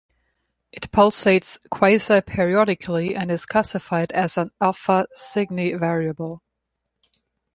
It pulsates quasi-periodically and is classified as an Alpha Cygni variable.